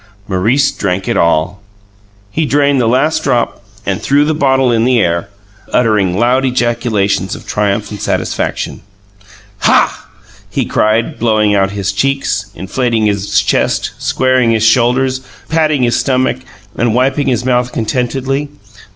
Maurice drank it all! He drained the last drop and threw the bottle in the air, uttering loud ejaculations of triumph and satisfaction. "Hah!" he cried, blowing out his cheeks, inflating his chest, squaring his shoulders, patting his stomach, and wiping his mouth contentedly.